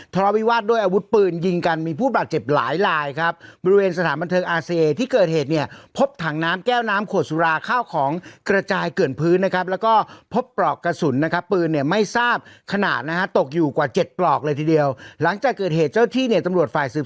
ทะเลาวิวาสด้วยอาวุธปืนยิงกันมีผู้บาดเจ็บหลายหลายครับ